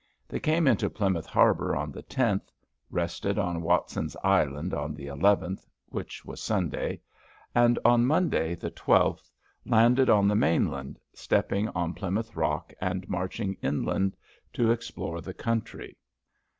They came into Plymouth harbor on the tenth, rested on Watson's island on the eleventh, which was Sunday, and on Monday, the twelfth, landed on the mainland, stepping on Plymouth rock and marching inland to explore the country.